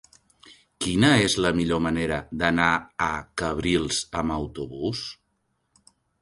Quina és la millor manera d'anar a Cabrils amb autobús?